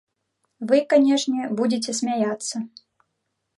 Вы, канешне, будзеце смяяцца.